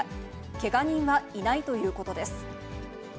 けが人はいないということです。